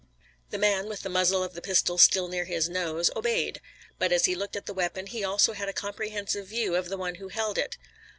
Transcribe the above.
The man with the muzzle of the pistol still near his nose, obeyed. But as he looked at the weapon he also had a comprehensive view of the one who held it.